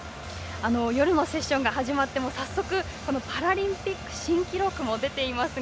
夜のセッションが始まって早速パラリンピック新記録も出ていますが。